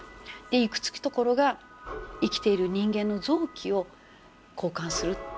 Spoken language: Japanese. で行き着くところが生きている人間の臓器を交換する。